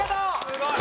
すごい！